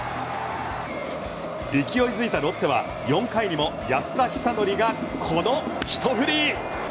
勢いづいたロッテは４回にも安田尚憲がこのひと振り。